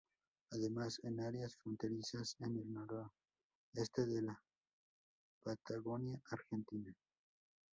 Además, en áreas fronterizas en el noroeste de la Patagonia argentina.